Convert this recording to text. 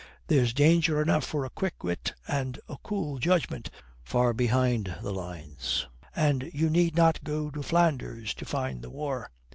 "There's danger enough for a quick wit and a cool judgment far behind the lines. And you need not go to Flanders to find the war.